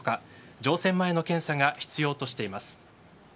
乗船前の検査が必要としています。